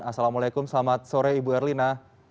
assalamualaikum selamat sore ibu erlina